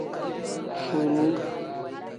Furuu.